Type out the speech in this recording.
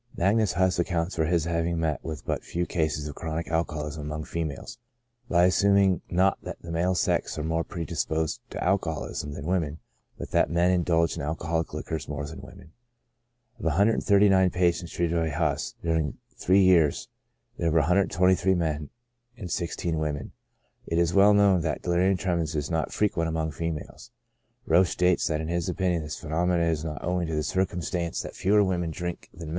Magnus Huss accounts for his having met with but few cases of chronic alcoholism among females, by assuming, not that the male sex are more predisposed to alcoholism than women, but that men indulge in alcoholic liquors more than women. Of 139 patients treated by Huss, during three years, there were 123 men and 16 women. It is well known that delirium tremens is not frequent among females ; Roesch states that in his opinion this phenomenon is not owing to the circumstance that fewer women drink than PREDISPOSING CAUSES.